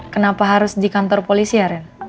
kenapa harus di kantor polisi ya ren